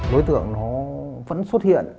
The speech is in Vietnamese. đối tượng nó vẫn xuất hiện